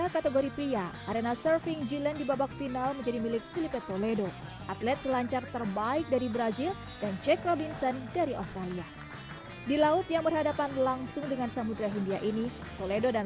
kamu kembali dalam waktu saya merasa semuanya berkurangan